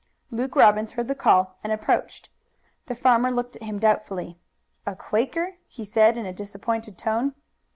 Luke Robbins heard the call and approached. The farmer looked at him doubtfully. "A Quaker?" he said in a disappointed tone.